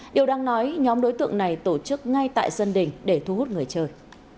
điều đang nói nhóm đối tượng này tổ chức ngay tại sân đỉnh để thu hút người chơi